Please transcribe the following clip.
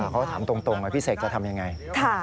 เขาถามตรงว่าพี่เสกจะทำยังไง